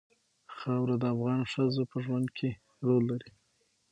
خاوره د افغان ښځو په ژوند کې رول لري.